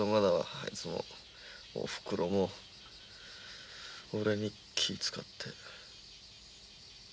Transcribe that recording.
あいつもおふくろも俺に気ぃ遣って。